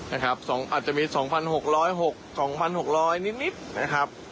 อาจจะมี๒๖๐๖๒๖๐๐นิดนะครับ